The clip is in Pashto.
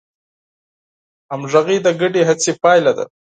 همغږي د ګډې هڅې پایله ده.